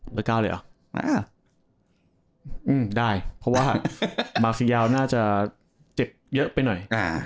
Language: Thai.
เลข๙เลยเหรอได้เพราะว่ามาซียาวน่าจะเจ็บเยอะไปหน่อย